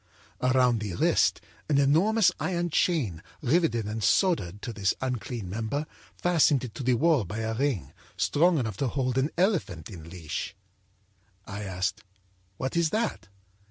âAround the wrist, an enormous iron chain, riveted and soldered to this unclean member, fastened it to the wall by a ring, strong enough to hold an elephant in leash. âI asked: â'What is that?'